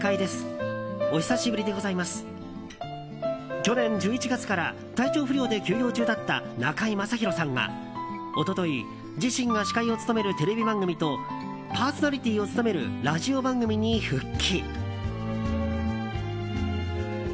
去年１１月から体調不良で休養中だった中居正広さんが一昨日、自身が司会を務めるテレビ番組とパーソナリティーを務めるラジオ番組に復帰。